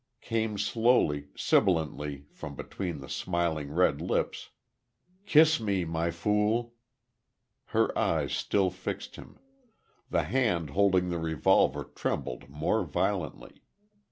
Came slowly, sibillantly, from between the smiling red lips: "Kiss me, My Fool!" Her eyes still fixed him.... The hand holding the revolver trembled more violently.